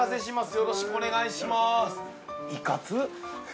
よろしくお願いします。